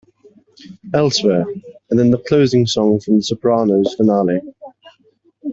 Elsewhere" and then the closing song from "The Sopranos" finale.